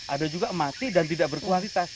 ada juga mati dan tidak berkualitas